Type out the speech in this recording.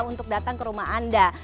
untuk datang ke rumah anda